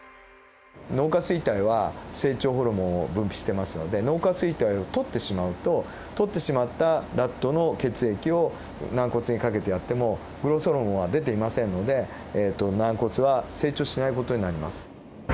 脳下垂体は成長ホルモンを分泌してますので脳下垂体をとってしまうととってしまったラットの血液を軟骨にかけてやってもグロースホルモンは出ていませんので軟骨は成長しない事になります。